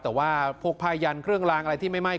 แต่ว่าพวกผ้ายันเครื่องลางอะไรที่ไม่ไหม้